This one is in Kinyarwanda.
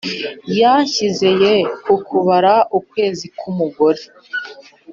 yashyize ye ku kubara ukwezi k'umugore,